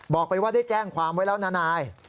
บอกไปว่าได้แจ้งความไว้แล้วนะนาย